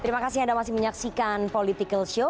terima kasih anda masih menyaksikan political show